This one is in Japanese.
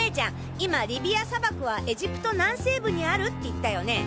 今リビア砂漠はエジプト南西部にあるって言ったよね？